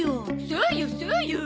そうよそうよ。